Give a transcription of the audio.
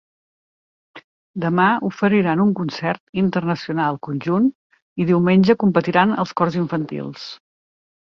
Demà oferiran un concert internacional conjunt i diumenge competiran els cors infantils.